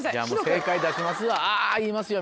正解出しますわ「あぁ」言いますよ